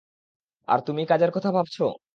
আর তুমি কাজের কথা ভাবছো।